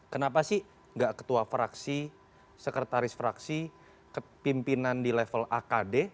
kenapa sih gak ketua fraksi sekretaris fraksi pimpinan di level akd